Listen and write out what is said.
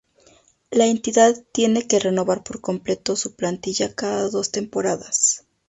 La entidad tiene que renovar por completo su plantilla cada dos temporadas.